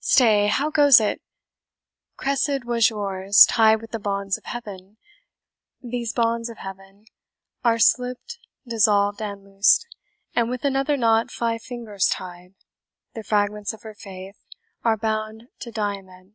Stay, how goes it? 'Cressid was yours, tied with the bonds of heaven; These bonds of heaven are slipt, dissolved, and loosed, And with another knot five fingers tied, The fragments of her faith are bound to Diomed.'